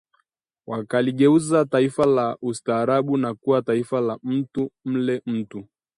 Wakaligeuza taifa la Ustaarabu na kuwa taifa la mtu-mle-mtu